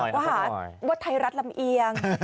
ก็หาว่าไทยรัฐลำเอียง